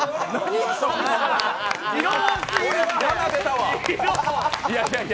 これは華出たわ。